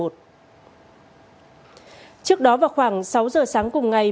trước đó vào khoảng sáu giờ sáng cùng ngày